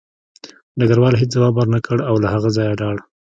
ډګروال هېڅ ځواب ورنکړ او له هغه ځایه لاړ